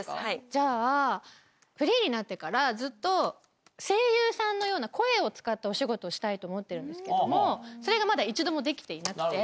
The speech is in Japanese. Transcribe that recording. じゃあフリーになってからずっと声優さんのような声を使ったお仕事をしたいと思ってるんですけどもそれがまだ一度もできていなくて。